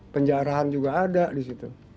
penjarahan juga ada di situ